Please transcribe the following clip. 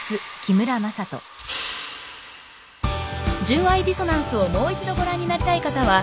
［『純愛ディソナンス』をもう一度ご覧になりたい方はＴＶｅｒで］